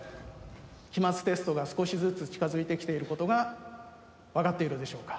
期末テストが少しずつ近づいてきていることが分かっているでしょうか？